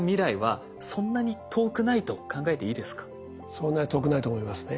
そんなに遠くないと思いますね。